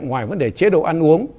ngoài vấn đề chế độ ăn uống